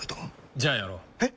じゃあやろう。え？